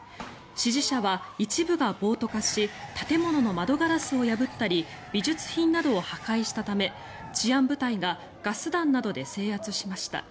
支持者は一部が暴徒化し建物の窓ガラスを破ったり美術品などを破壊したため治安部隊がガス弾などで制圧しました。